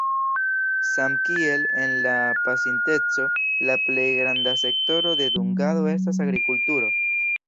Samkiel en la pasinteco, la plej granda sektoro de dungado estas agrikulturo.